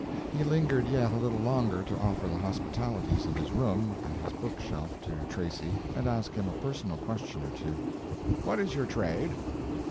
He lingered yet a little longer to offer the hospitalities of his room and his book shelf to Tracy and ask him a personal question or two: "What is your trade?"